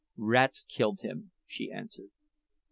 "Rats killed him," she answered.